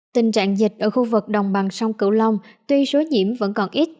tình trạng dịch ở khu vực đồng bằng sông cửu long tuy số nhiễm vẫn còn ít